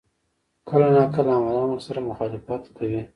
کله نا کله عملاً ورسره مخالفت کوي.